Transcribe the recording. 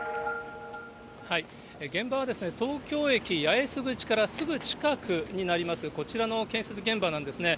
現場は東京駅八重洲口からすぐ近くになります、こちらの建設現場なんですね。